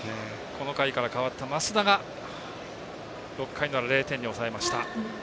この回から代わった益田が６回の裏、０点に抑えました。